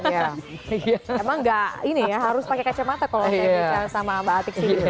emang gak ini ya harus pakai kacamata kalau saya bicara sama mbak atik sini